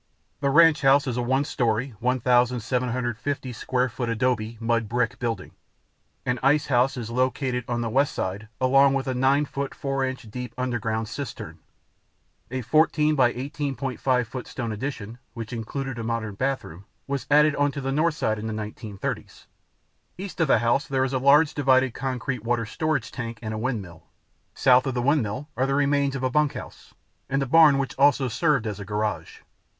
The ranch house is a one story, 1,750 square foot adobe (mud bricks) building. An ice house is located on the west side along with an 9' 4" deep underground cistern. A 14 by 18.5 foot stone addition, which included a modern bathroom, was added onto the north side in the 1930s. East of the house there is a large, divided concrete water storage tank and a windmill. South of the windmill are the remains of a bunkhouse, and a barn which also served as a garage.